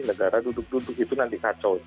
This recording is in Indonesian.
negara duduk duduk itu nanti kacau